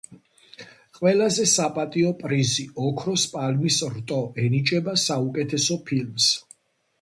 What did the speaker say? ყველაზე საპატიო პრიზი „ოქროს პალმის რტო“ ენიჭება საუკეთესო ფილმს.